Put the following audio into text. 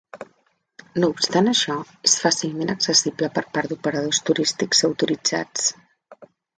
No obstant això, és fàcilment accessible per part d'operadors turístics autoritzats.